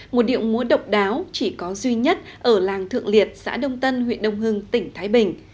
một điệu múa độc đáo chỉ có duy nhất ở làng thượng liệt xã đông tân huyện đông hưng tỉnh thái bình